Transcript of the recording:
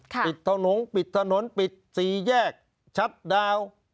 ปิดถนนปิดถนนปิดสี่แยกชัดดาว